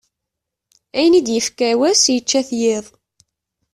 Ayen i d-ifka wass yečča-t yiḍ.